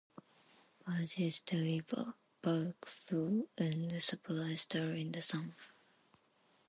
Barges deliver bulk fuel and supplies during the summer.